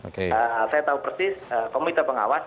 saya tahu persis komite pengawas